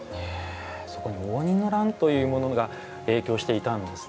そこに応仁の乱というものが影響していたんですね。